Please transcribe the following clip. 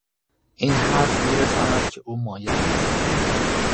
این حرف میرساند که او مایل نیست